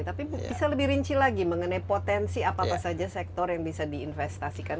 tapi bisa lebih rinci lagi mengenai potensi apa apa saja sektor yang bisa diinvestasikan